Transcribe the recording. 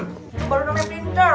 cucu baru dengan pinter